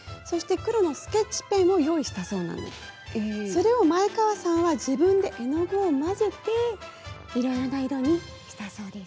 それを前川さんは自分で絵の具を混ぜていろいろな色にしたそうです。